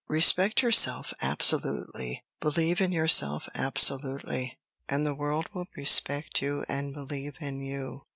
Respect yourself absolutely, believe in yourself absolutely, and the world will respect you and believe in you.